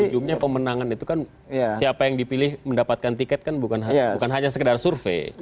ujungnya pemenangan itu kan siapa yang dipilih mendapatkan tiket kan bukan hanya sekedar survei